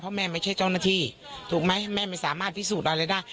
เพราะแม่ไม่ใช่เจ้าหน้าที่ถูกไหมแม่ไม่สามารถพิสูจน์อะไรได้